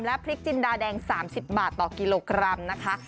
พริกจินดาแดง๓๐บาทต่อกิโลกรัมนะคะ